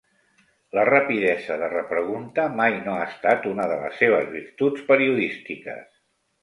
La rapidesa de repregunta mai no ha estat una de les seves virtuts periodístiques.